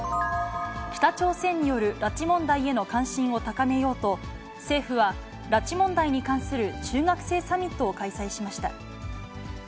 北朝鮮による拉致問題への関心を高めようと、政府は、拉致問題に関する中学生サミットを開催しました。